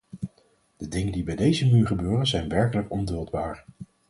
De dingen die bij deze muur gebeuren zijn werkelijk onduldbaar.